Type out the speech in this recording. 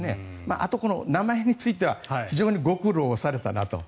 あと、名前については非常にご苦労されたなと。